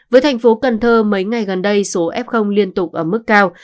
với thành phố cần thơ mấy ngày gần đây số f liên tục ở mức cao